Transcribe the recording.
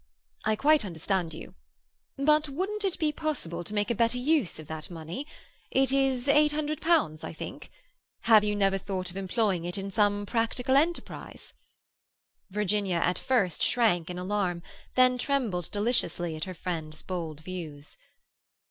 "I quite understand you. But wouldn't it be possible to make a better use of that money? It is eight hundred pounds, I think? Have you never thought of employing it in some practical enterprise?" Virginia at first shrank in alarm, then trembled deliciously at her friend's bold views.